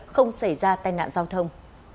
không xảy ra tai nạn giao thông